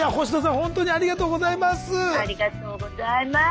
ありがとうございます。